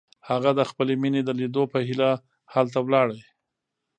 هغه د خپلې مینې د لیدو په هیله هلته لاړ.